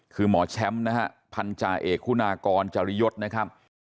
คือหมอแชมป์นะฮะพันธาเอกคุณากรจริยศนะครับ